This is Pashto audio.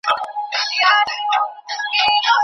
چي هر څومره چیښي ویني لا یې تنده نه سړیږي